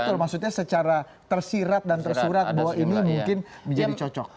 betul maksudnya secara tersirat dan tersurat bahwa ini mungkin menjadi cocok